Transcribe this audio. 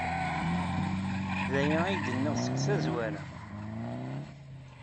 D aya ay d-nniɣ seg tazwara!